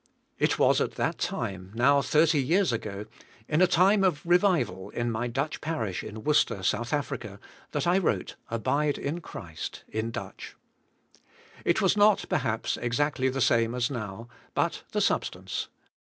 '* It was at that time, now thirty years ag o, in a time of revival in my Dutch parish in Worcester, South Africa, that 1 wrote "Abide in Christ" in Dutch. It was not, per haps, exactly the same as now, but the substance.